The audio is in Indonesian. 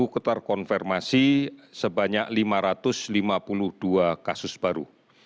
yang kedua ketar konfirmasi sebanyak lima ratus lima puluh dua kasus baru